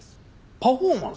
パフォーマンス？